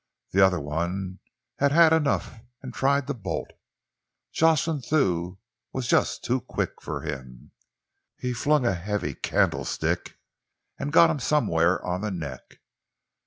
The other one had had enough and tried to bolt. Jocelyn Thew was just too quick for him. He flung a heavy candlestick and got him somewhere on the neck.